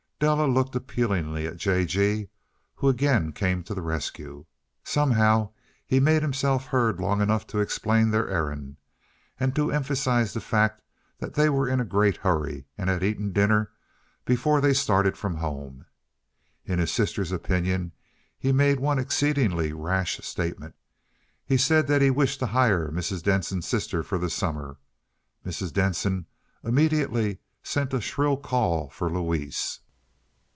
Della looked appealingly at J. G., who again came to the rescue. Somehow he made himself heard long enough to explain their errand, and to emphasize the fact that they were in a great hurry, and had eaten dinner before they started from home. In his sister's opinion he made one exceedingly rash statement. He said that he wished to hire Mrs. Denson's sister for the summer. Mrs. Denson immediately sent a shrill call for Louise.